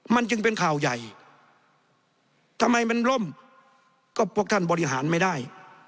มันจึงเป็นข่าวใหญ่ทำไมมันล่มก็พวกท่านบริหารไม่ได้